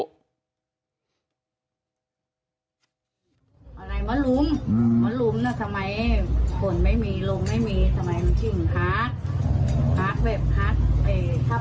มารุมมารุมเวลาสมัยฝนไม่มีลมไม่มีสมัยยิ่งฮาก